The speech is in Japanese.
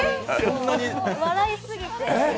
笑いすぎて。